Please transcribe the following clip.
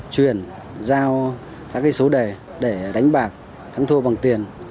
truyền giao các số đề để đánh bạc thắng thua bằng tiền